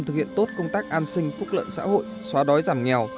thực hiện tốt công tác an sinh phúc lợn xã hội xóa đói giảm nghèo